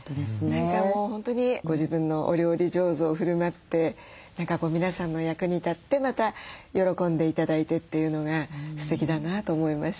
何かもう本当にご自分のお料理上手をふるまって何か皆さんの役に立ってまた喜んで頂いてっていうのがすてきだなと思いました。